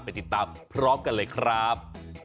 ติดตามพร้อมกันเลยครับ